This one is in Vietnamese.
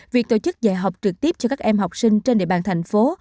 việc tổ chức dạy học trực tiếp cho các em học sinh trên địa bàn thành phố